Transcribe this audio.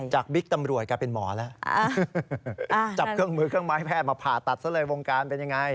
บิ๊กตำรวจกลายเป็นหมอแล้วจับเครื่องมือเครื่องไม้แพทย์มาผ่าตัดซะเลยวงการเป็นยังไง